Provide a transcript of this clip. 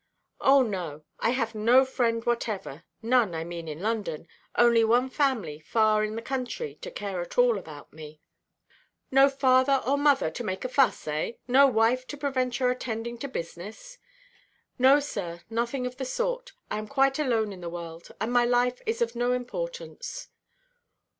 "Oh no. I have no friends whatever; none, I mean, in London, only one family, far in the country, to care at all about me." "No father or mother to make a fuss, eh? No wife to prevent your attending to business?" "No, sir, nothing of the sort. I am quite alone in the world; and my life is of no importance."